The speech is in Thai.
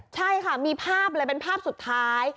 ใช่ค่ะมีภาพเลยเป็นภาพสุดท้าย